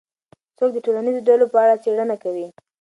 څوک د ټولنیزو ډلو په اړه څېړنه کوي؟